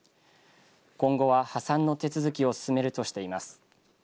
今後は破産の手続きを進めるとしています。